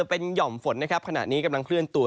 เป็นห่อมฝนนะครับขณะนี้กำลังเคลื่อนตัว